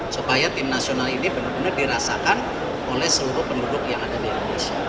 supaya tim nasional ini benar benar dirasakan oleh seluruh penduduk yang ada di indonesia